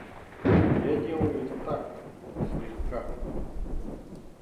Я делаю это так, слегка.